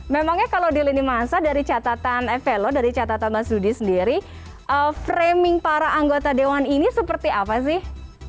memangnya kalau di lini masa dari catatan evelo dari catatan mas rudy sendiri framing para anggota dewan ini seperti apa sih